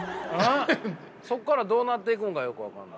そこからどうなっていくのかよく分からない。